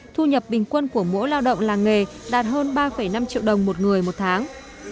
thu nhập bình quân của mỗi lao động làng nghề đạt hơn ba năm triệu đồng một người một tháng